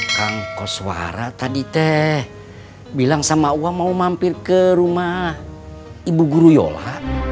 kang koswara tadi teh bilang sama uang mau mampir ke rumah ibu guru yola